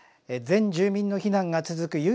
全住民の避難が続く